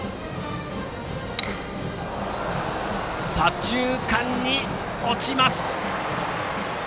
左中間に落ちた。